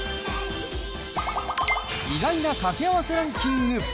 意外な掛け合わせランキング。